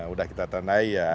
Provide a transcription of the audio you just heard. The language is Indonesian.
udah kita tandai ya